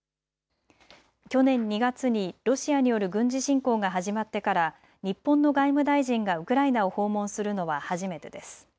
去年２月にロシアによる軍事侵攻が始まってから日本の外務大臣がウクライナを訪問するのは初めてです。